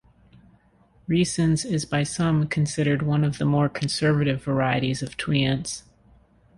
Riessens is by some considered one of the more conservative varieties of Tweants.